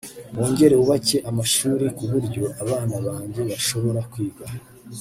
wongere wubake amashuri ku buryo abana banjye bashobora kwiga